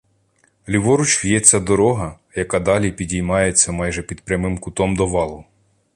Ліворуч в'ється дорога, яка далі підіймається майже під прямим кутом до валу.